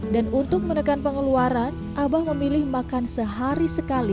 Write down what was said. dan untuk menekan pengeluaran abah memilih makan sehari sekali